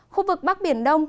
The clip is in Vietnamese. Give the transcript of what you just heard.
khu vực bắc biển đông